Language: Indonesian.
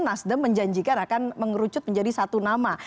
nasdem menjanjikan akan mengerucut menjadi satu nama